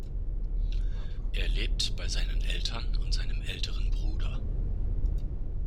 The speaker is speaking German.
Er lebt bei seinen Eltern und seinem älteren Bruder.